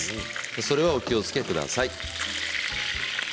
それはお気をつけください。